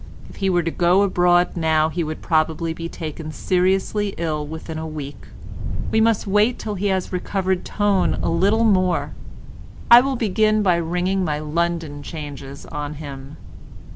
If he were to go abroad now he would probably be taken seriously ill within a week. We must wait till he has recovered tone a little more. I will begin by ringing my London changes on him."